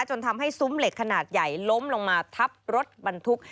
จนทำให้ซุ้มเหล็กขนาดใหญ่ล้มลงมาทับรถบรรทุก